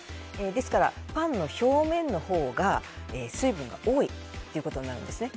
ですから、パンの表面のほうが水分が多いということになるんですね。